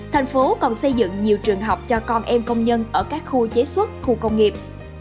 thành phố còn xây dựng nhiều trường học cho con em công nhân ở các khu chế xuất khu công nghiệp